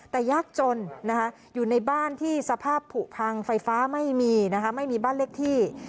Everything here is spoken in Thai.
แต่ยากจนอยู่ในบ้านที่สภาพผูกพังไฟฟ้าไม่มีนะคะไม่มีบ้านเลขที่